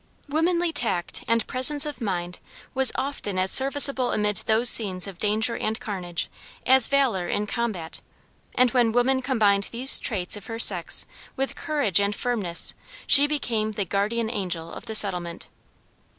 Womanly tact and presence of mind was often as serviceable amid those scenes of danger and carnage, as valor in combat; and when woman combined these traits of her sex with courage and firmness she became the "guardian angel" of the settlement.